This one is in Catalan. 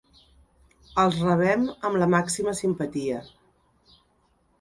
Els rebem amb la màxima simpatia.